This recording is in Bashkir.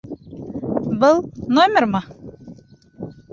Был... номермы?